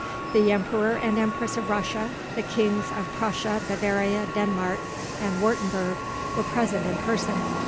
The Emperor and Empress of Russia, the kings of Prussia, Bavaria, Denmark and Würtemburg were present in person.